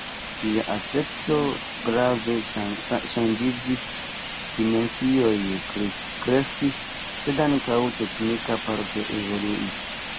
Ĝia aspekto grave ŝanĝiĝis, dimensioj kreskis, sed ankaŭ teknika parto evoluis.